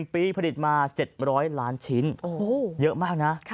๑ปีผลิตมา๗๐๐ล้านชิ้นเยอะมากนะ